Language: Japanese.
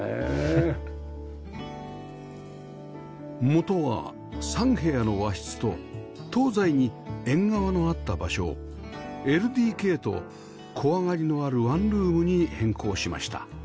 元は３部屋の和室と東西に縁側のあった場所を ＬＤＫ と小上がりのあるワンルームに変更しました